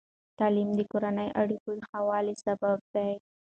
تعلیم د کورني اړیکو د ښه والي سبب دی.